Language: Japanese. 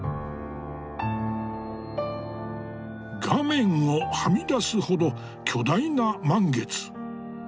画面をはみ出すほど巨大な満月。